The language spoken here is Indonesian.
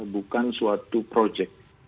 bukan suatu projek